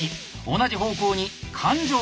同じ方向に環状。